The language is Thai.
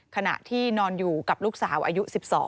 ขณะที่นอนอยู่กับลูกสาวอายุ๑๒